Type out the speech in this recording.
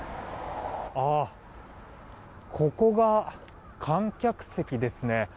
ここが観客席ですね。